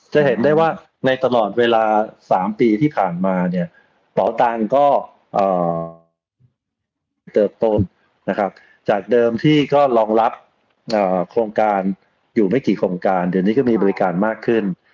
จะเห็นได้ว่าในตลอดเวลา๓ปีที่ผ่านมาเนี่ยเป๋าตังค์ก็เติบโตนะครับจากเดิมที่ก็รองรับโครงการอยู่ไม่กี่โครงการเดี๋ยวนี้ก็มีบริการมากขึ้น